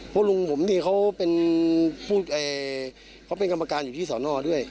เพราะลุงผมนี่เขาเป็นผู้เอ่ยเขาเป็นกรรมการอยู่ที่เสาหน้าด้วย